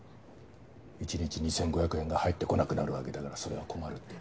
一日２５００円が入ってこなくなるわけだからそれは困るって。